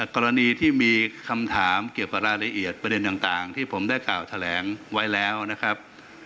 กรณีที่มีคำถามเกี่ยวกับรายละเอียดประเด็นต่างที่ผมได้กล่าวแถลงไว้แล้วนะครับ